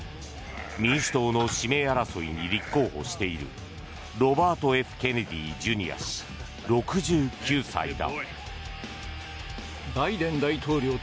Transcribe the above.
民主党の指名争いに立候補しているロバート・Ｆ・ケネディ・ジュニア氏、６９歳だ。